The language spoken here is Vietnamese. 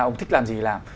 ông thích làm gì làm